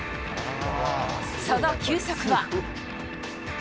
その球速は。